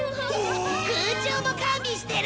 空調も完備してる！